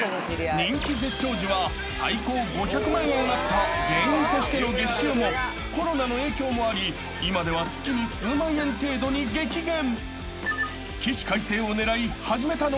［人気絶頂時は最高５００万円あった芸人としての月収もコロナの影響もあり今では月に数万円程度に激減］